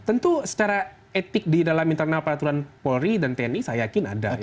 tentu secara etik di dalam internal peraturan polri dan tni saya yakin ada